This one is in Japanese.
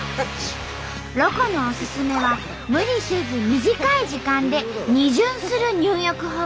ロコのおすすめは無理せず短い時間で２巡する入浴法。